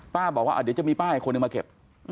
ป้าบอกว่าเดี๋ยวจะมีป้าให้คนหนึ่งมาเก็บ